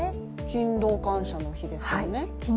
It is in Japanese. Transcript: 勤労感謝の日ですよね。